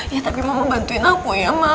ya tapi mama bantuin aku ya mak